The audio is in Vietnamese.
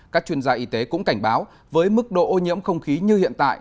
các chuyên gia y tế cũng cảnh báo với mức độ ô nhiễm không khí như hiện tại